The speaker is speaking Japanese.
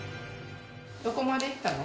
どこまでいったの？